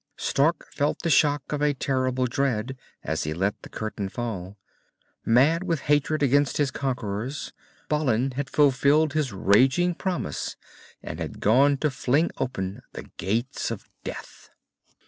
_" Stark felt the shock of a terrible dread, as he let the curtain fall. Mad with hatred against conquerors, Balin had fulfilled his raging promise and had gone to fling open the Gates of Death.